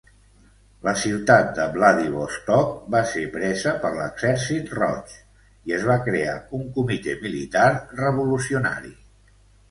La ciutat de Vladivostok va ser presa per l'Exèrcit Roig i es va crear un Comitè Militar Revolucionari.